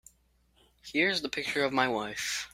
Here's the picture of my wife.